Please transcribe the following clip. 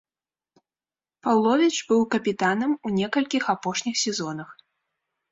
Паўловіч быў капітанам у некалькіх апошніх сезонах.